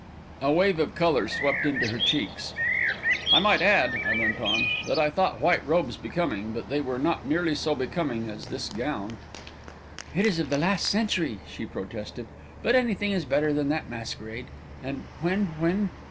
A wave of colour swept into her cheeks. "I might add," I went on, "that I thought white robes becoming, but they were not nearly so becoming as this gown!" "It is of the last century!" she protested. "But anything is better than that masquerade! And when when...."